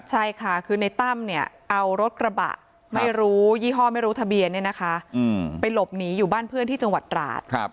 ใช่ค่ะคือในตั้มเนี่ยเอารถกระบะไม่รู้ยี่ห้อไม่รู้ทะเบียนไปหลบหนีอยู่บ้านเพื่อนที่จังหวัดตราด